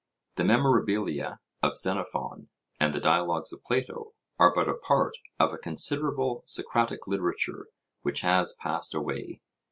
The Memorabilia of Xenophon and the Dialogues of Plato are but a part of a considerable Socratic literature which has passed away.